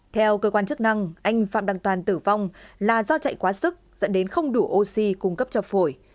theo cơ quan chức năng anh phạm đăng toàn tử vong là do chạy quá sức dẫn đến không đủ oxy cung cấp cho phổi